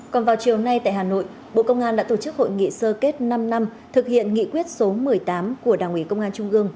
còn vào chiều nay tại hà nội bộ công an đã tổ chức hội nghị sơ kết năm năm thực hiện nghị quyết số một mươi tám của đảng ủy công an trung ương